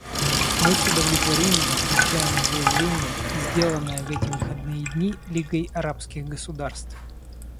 Мы с удовлетворением отмечаем заявление, сделанное в эти выходные дни Лигой арабских государств.